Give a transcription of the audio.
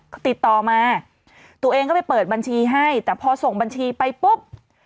ก็ติดต่อมาตัวเองก็ไปเปิดบัญชีให้แต่พอส่งบัญชีไปปุ๊บ